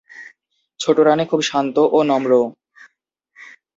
ছোট রানী খুব শান্ত ও নম্র।